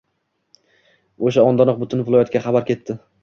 O‘sha ondayoq butun viloyatga xabar ketdi